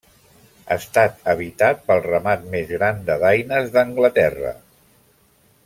Està habitat pel ramat més gran de daines d'Anglaterra.